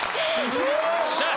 よっしゃ。